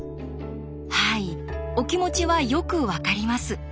はいお気持ちはよく分かります。